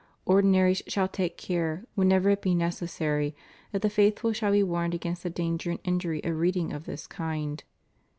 Ordinaries shall take care, whenever it be necessary, that the faithful shall be warned against the danger and injury of reading of this kind.